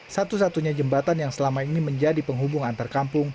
satu satunya jembatan yang selama ini menjadi penghubung antar kampung